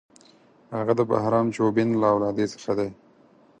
هغه د بهرام چوبین له اولادې څخه دی.